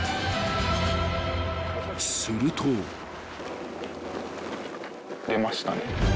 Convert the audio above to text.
［すると］出ましたね。